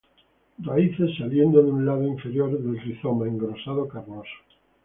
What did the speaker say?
Raíces saliendo de un lado inferior del rizoma, engrosado, carnoso.